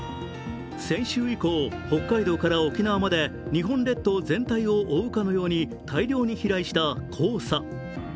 先週以降、北海道から沖縄まで日本列島全体を覆うかのように大量に飛来した黄砂。